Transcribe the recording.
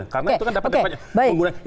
karena itu kan dapat dapatnya penggunaan